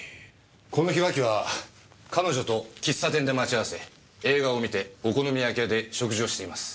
この日脇は彼女と喫茶店で待ち合わせ映画を観てお好み焼き屋で食事をしています。